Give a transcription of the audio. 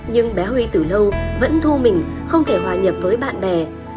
nhưng bé huy từ lâu vẫn thu mình không thể hòa nhập với bạn bè